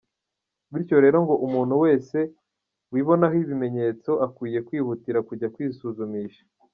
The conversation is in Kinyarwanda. Bityo rero ngo umuntu wese wibonaho ibimenyetso akwiye kwihutira kujya kwisuzumisha.